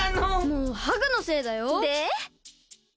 もうハグのせいだよ！でなげる！